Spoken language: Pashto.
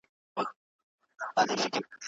تاسو باید هره ورځ خپلي دندې ترسره کړئ.